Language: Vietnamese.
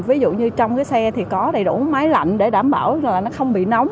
ví dụ như trong cái xe thì có đầy đủ máy lạnh để đảm bảo là nó không bị nóng